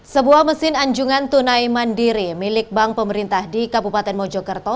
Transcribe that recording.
sebuah mesin anjungan tunai mandiri milik bank pemerintah di kabupaten mojokerto